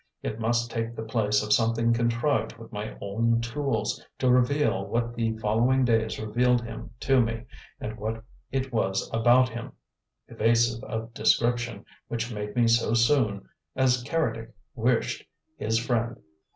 It must take the place of something contrived with my own tools to reveal what the following days revealed him to me, and what it was about him (evasive of description) which made me so soon, as Keredec wished, his friend.